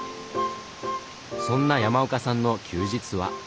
そんな山岡さんの休日は？